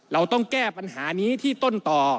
เราต้องแก้ปัญหานี้ที่ต้นต่อ